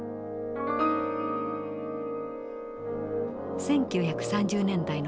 １９３０年代の後半。